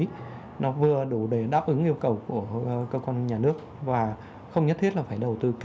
vì vậy nó vừa đủ để đáp ứng yêu cầu của cơ quan quản lý